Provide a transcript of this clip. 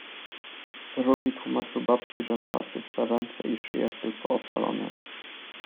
Drugi tłumaczył babci, że ma czyste ręce i szyję, tylko opalone.